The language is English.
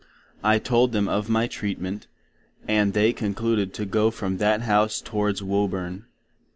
I told them of my treatment, and they concluded to go from that House to wards Woburn.